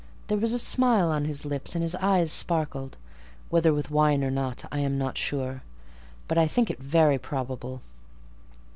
There was a smile on his lips, and his eyes sparkled, whether with wine or not, I am not sure; but I think it very probable.